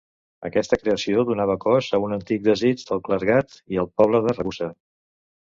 Aquesta creació donava cos a un antic desig del clergat i el poble de Ragusa.